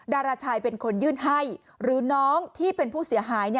ดาราชายเป็นคนยื่นให้หรือน้องที่เป็นผู้เสียหาย